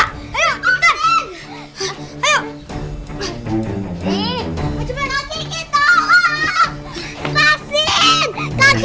kita balik ke partai kak